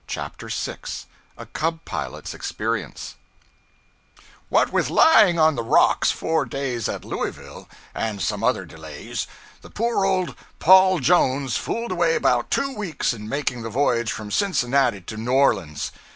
CHAPTER 6 A Cub pilot's Experience WHAT with lying on the rocks four days at Louisville, and some other delays, the poor old 'Paul Jones' fooled away about two weeks in making the voyage from Cincinnati to New Orleans.